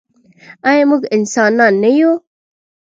آیا موږ انسانان نه یو؟